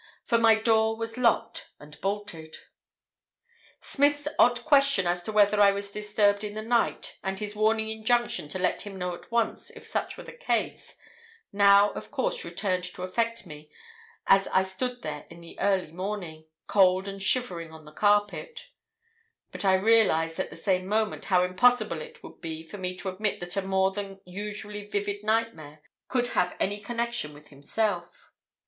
For my door was locked and bolted. "Smith's odd question as to whether I was disturbed in the night, and his warning injunction to let him know at once if such were the case, now of course returned to affect me as I stood there in the early morning, cold and shivering on the carpet; but I realised at the same moment how impossible it would be for me to admit that a more than usually vivid nightmare could have any connection with himself.